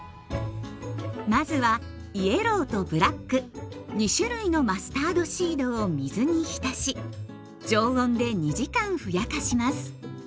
まずはイエローとブラック２種類のマスタードシードを水に浸し常温で２時間ふやかします。